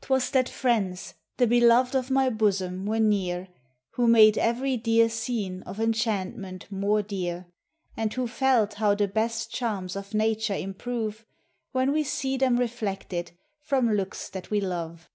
'T was that friends, the beloved of my bosom, were near, Who made every dear scene of enchantment more dear, And who felt how the best charms of nature im prove, When we see them reflected from looks that we love.